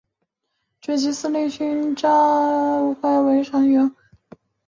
爵级司令勋章和司令勋章之获勋者则只可以在他们的纹章之外围上圆环。